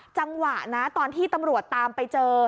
จังหวะนะตอนที่ตำรวจตามไปเจอ